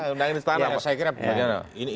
untuk undang istana pak